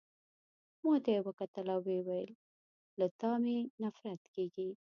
ما ته يې وکتل او ويې ویل: له تا مي نفرت کیږي.